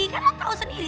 kan lo tau sendiri